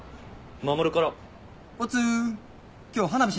守から。